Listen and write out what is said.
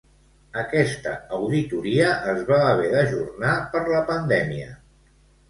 Aquesta auditoria es va haver d'ajornar per la pandèmia.